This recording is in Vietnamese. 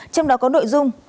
trong đó có nội dung